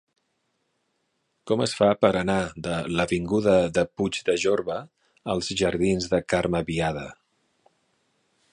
Com es fa per anar de l'avinguda de Puig de Jorba als jardins de Carme Biada?